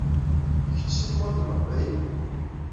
Kečč seg Tmurt n Leqbayel?